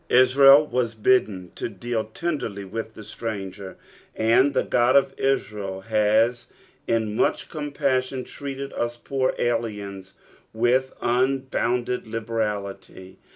Israel was bidden to deal tenderly with the stranger, and the God of Israel has in much compassion treated us poor aliens with un bounded liberality.